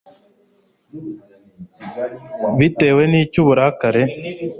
batewe n'iki uburake